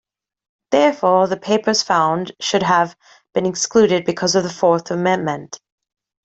Therefore, the papers found should have been excluded because of the Fourth Amendment.